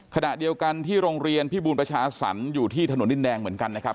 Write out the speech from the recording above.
ขณะเดียวกันที่โรงเรียนพิบูรประชาสรรค์อยู่ที่ถนนดินแดงเหมือนกันนะครับ